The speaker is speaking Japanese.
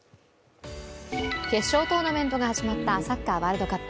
決勝トーナメントが始まったサッカーワールドカップ。